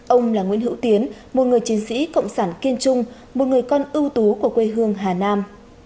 ông là nguyễn hữu tiến một người chiến sĩ cộng sản kiên trung một người con ưu tú của quê hương hà nam